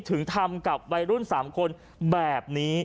ถึงทำกับวัยรุ่น๓คนแบบนี้